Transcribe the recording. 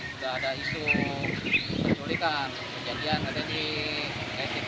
tidak ada isu penculikan kejadian yang tadi di s i empat